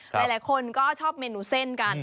หลายคนก็ชอบเมนูเส้นกัน